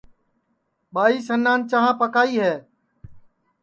ٻائی سنان چاں پکائی پیائی